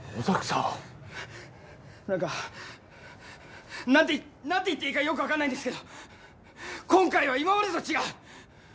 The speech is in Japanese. なんか何て言っていいかよく分かんないんですけど、今回は今までと違う。